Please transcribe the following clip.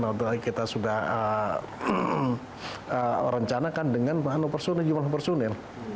atau kita sudah rencanakan dengan bahan personil jumlah personil